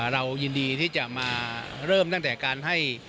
เรายินดีที่จะมาเริ่มตั้งแต่การให้